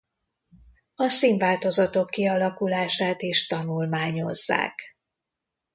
A színváltozatok kialakulását is tanulmányozzák.